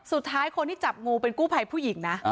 สุดท้ายคนที่จับงูเป็นกู้ภัยผู้หญิงนะ